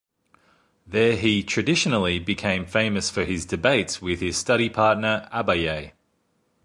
There he, traditionally, became famous for his debates with his study-partner Abaye.